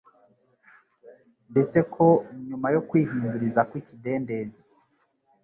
ndetse ko nyuma yo kwihinduriza kw’ikidendezi